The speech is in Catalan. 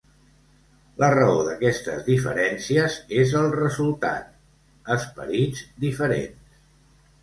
La raó d'aquestes diferències és el resultat esperits diferents.